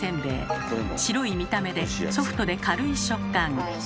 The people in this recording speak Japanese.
白い見た目でソフトで軽い食感。